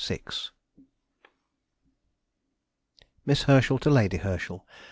_"... MISS HERSCHEL TO LADY HERSCHEL.